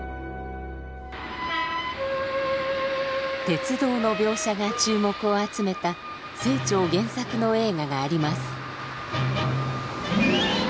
鉄道の描写が注目を集めた清張原作の映画があります。